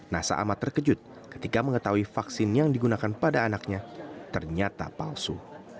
nasa amat terkejut ketika mengetahui vaksin yang digunakan pada anaknya ternyata palsu